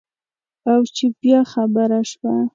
او چې بیا خبره شوه.